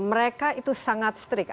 mereka itu sangat serius